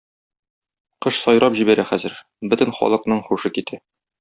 Кош сайрап җибәрә хәзер, бөтен халыкның һушы китә.